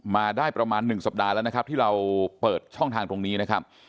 มาได้ประมาณ๑สัปดาห์แล้วนะครับที่เราเปิดช่องทางตรงนี้นะครับ